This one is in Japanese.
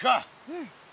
うん。